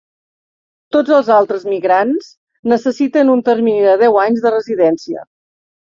Tots els altres migrants necessiten un termini de deu anys de residència.